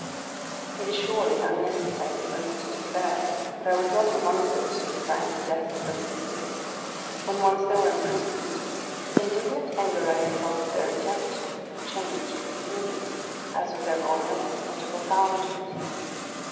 It is surely unnecessary for me to declare that I was not among those who desired the death of the Ministers. When oin'e they were imprisoned, the indignant anger I had felt at their attempt changed with me, as with every one else, into profound pity.